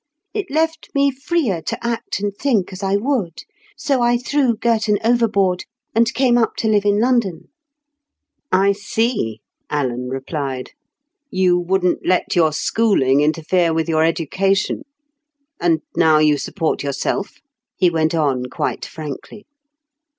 It left me freer to act and think as I would. So I threw Girton overboard, and came up to live in London." "I see," Alan replied. "You wouldn't let your schooling interfere with your education. And now you support yourself?" he went on quite frankly.